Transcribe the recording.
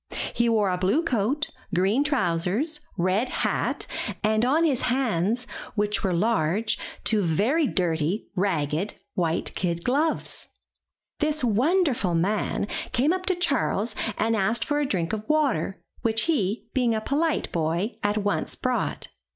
He wore a blue coat, green trousers, red hat, and on his hands, which were large, two very dirty, ragged, white kid gloves. This wonder ful man came up to Charles and asked for a drink of water, which he, being a polite boy, at once brought.